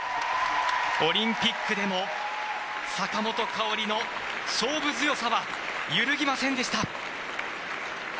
オリンピックでも坂本花織の勝負強さは揺るぎませんでした。